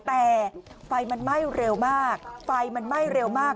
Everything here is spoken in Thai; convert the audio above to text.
แต่ไฟมันไหม้เร็วมากไฟมันไหม้เร็วมาก